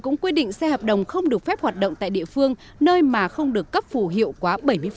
cũng quy định xe hợp đồng không được phép hoạt động tại địa phương nơi mà không được cấp phù hiệu quá bảy mươi